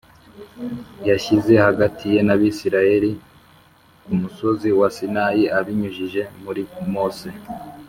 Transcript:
yashyize hagati ye n Abisirayeli ku musozi wa Sinayi abinyujije kuri Mose